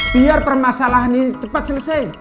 biar permasalahan ini cepat selesai